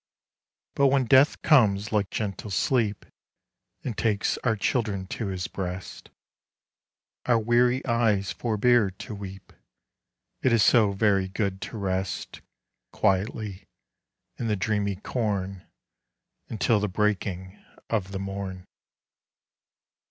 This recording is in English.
But when Death comes like gentle sleep, And takes our children to his breast, Our weary eyes forbear to weep It is so very good to rest Quietly in the dreamy corn Until the breaking of the morn.